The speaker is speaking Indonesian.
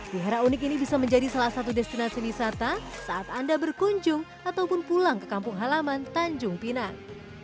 wihara unik ini bisa menjadi salah satu destinasi wisata saat anda berkunjung ataupun pulang ke kampung halaman tanjung pinang